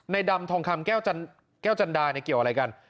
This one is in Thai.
ดำทองคำแก้วจันดาเนี่ยเกี่ยวอะไรกัน